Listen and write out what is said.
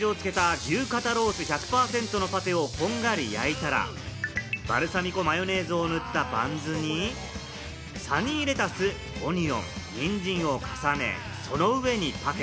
下味をつけた牛肩ロース１００％のパテをこんがり焼いたら、バルサミコマヨネーズを塗ったバンズに、サニーレタス、オニオン、ニンジンを重ね、その上にパテ。